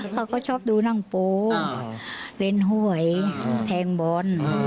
เขาก็ชอบดูนั่งโป๊เล่นหวยแทงบอล